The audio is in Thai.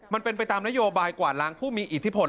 มันเป็นไปตามนโยบายกวาดล้างผู้มีอิทธิพล